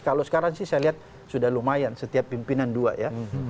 kalau sekarang sih saya lihat sudah lumayan setiap pimpinan dua ya